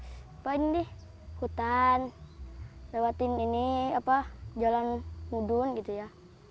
siapa ini hutan lewatin ini jalan mudun gitu ya